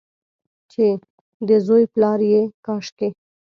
چې د زوی پلا یې کاشکي،